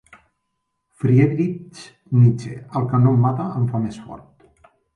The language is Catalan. Friedrich Nietzsche: el que no em mata em fa més fort.